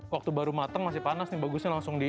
waktu baru matang masih panas nih bagusnya langsung diolah